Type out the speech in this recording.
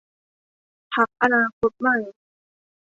พรรคอนาคตใหม่